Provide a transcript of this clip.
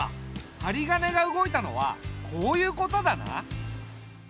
はりがねが動いたのはこういうことだな。